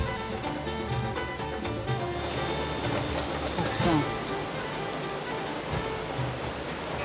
奥さん。